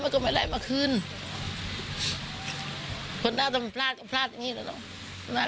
ไม่มีใครหรอกเขาลูกเราก็เหมือนกันเลยนะ